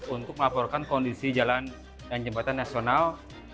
untuk melaporkan kondisi jalan dan jembatan nasional